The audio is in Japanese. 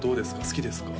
好きですか？